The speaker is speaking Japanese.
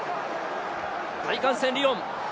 大歓声、リヨン。